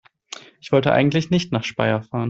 Ich wollte eigentlich nicht nach Speyer fahren